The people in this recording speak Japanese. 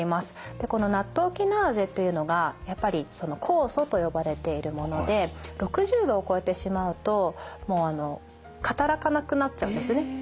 でこのナットウキナーゼっていうのがやっぱり酵素と呼ばれているもので６０度を超えてしまうともうあの働かなくなっちゃうんですね。